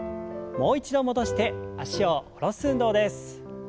もう一度戻して脚を下ろす運動です。